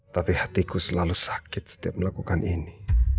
tapi hatiku selalu sakit setiap melakukan ini